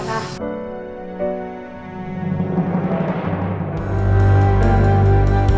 bagus pasti lebih imli pibuk